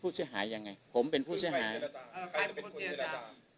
ผู้เสียหายยังไงผมเป็นผู้เสียหายเอ่อใครเป็นคนเจรจา